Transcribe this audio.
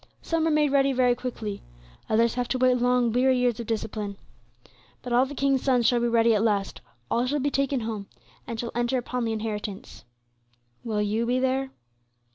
Some are made ready very quickly. Others have to wait long, weary years of discipline. But all the King's sons shall be ready at last, all shall be taken home, and shall enter upon the inheritance. Will you be there?"